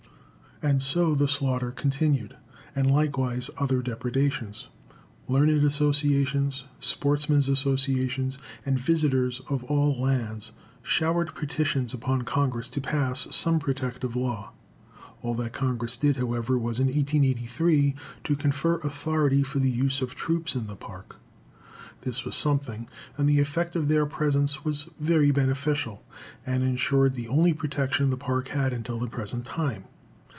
And so the slaughter continued, and likewise other depredations. Learned associations, sportsmen's associations, visitors of all lands, showered petitions upon Congress to pass some protective law. All that Congress did, however, was in 1883 to confer authority for the use of troops in the Park. This was something, and the effect of their presence was very beneficial, and insured the only protection the Park had until the present time.